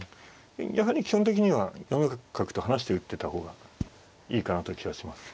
やはり基本的には４六角と離して打ってた方がいいかなという気がします。